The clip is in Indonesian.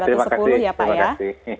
ya terima kasih terima kasih